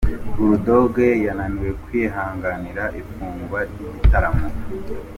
Bull Dogg yananiwe kwihanganira ifungwa ry'igitaramo.